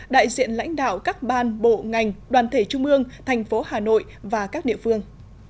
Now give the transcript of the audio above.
đại diện lãnh đạo các ban bộ ngành đoàn thể trung ương thành phố hà nội và các địa phương